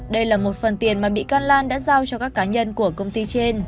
đây là một phần tiền mà bị can lan đã giao cho các cá nhân của công ty trên